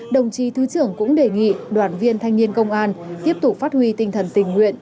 đồng chí thứ trưởng cũng đề nghị đoàn viên thanh niên công an tiếp tục phát huy tinh thần tình nguyện